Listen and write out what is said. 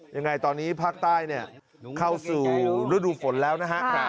ยังไงตอนนี้ภาคใต้เนี่ยเข้าสู่ฤดูฝนแล้วนะฮะ